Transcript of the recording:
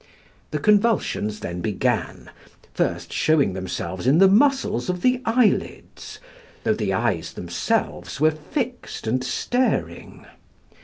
The convulsions then began, first showing themselves in the muscles of the eyelids, though the eyes themselves were fixed and staring.